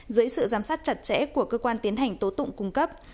dưới sự giám sát chặt chẽ của cơ quan tiến hành tố tụng cung cấp